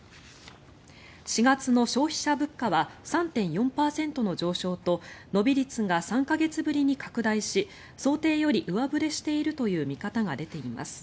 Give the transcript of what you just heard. ４月の消費者物価は３．４％の上昇と伸び率が３か月ぶりに拡大し想定より上振れしているという見方が出ています。